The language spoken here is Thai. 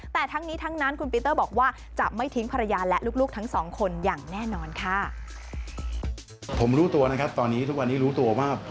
แต่ทั้งนี้ทั้งนั้นคุณปีเตอร์บอกว่าจะไม่ทิ้งภรรยาและลูกลูกทั้งสองคนอย่างแน่นอนค่ะ